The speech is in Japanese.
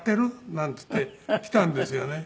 なんつって来たんですよね。